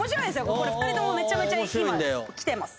これ２人ともめちゃめちゃ今きてます